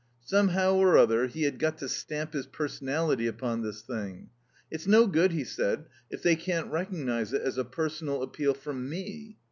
Somehow or other he had got to stamp his personality upon this thing. "It's no good," he said; "if they can't recognize it as a personal appeal from ME."